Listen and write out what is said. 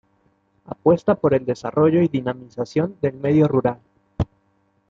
Apuesta por el desarrollo y dinamización del medio rural.